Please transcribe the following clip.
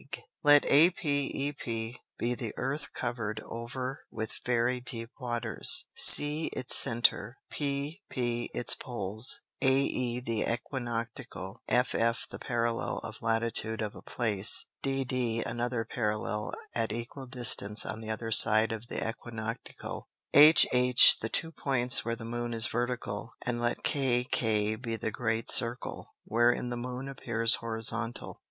(Vide Fig. 2. Plate 1.) Let ApEP be the Earth cover'd over with very deep Waters, C its Center, P, p, its Poles, AE the Æquinoctial, F, f, the parallel of Latitude of a Place, D, d, another Parallel at equal distance on the other side of the Æquinoctial, H, h, the two Points where the Moon is vertical, and let K, k, be the great Circle, wherein the Moon appears Horizontal.